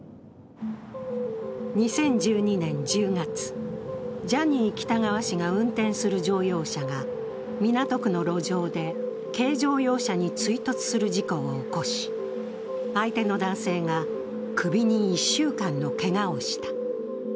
２０１２年１０月、ジャニー喜多川氏が運転する乗用車が港区の路上で軽乗用車に追突する事故を起こし相手の男性が首に１週間のけがをした。